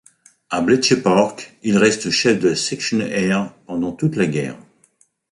À Bletchley Park, il reste chef de la Section Air pendant toute la guerre.